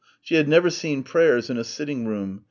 She had never seen prayers in a sitting room.